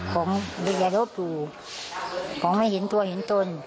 ของดิจรพรุของไม่หินตัวหินตน